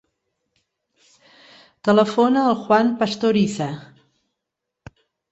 Telefona al Juan Pastoriza.